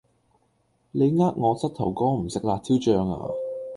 你呃我膝頭哥唔食辣椒醬呀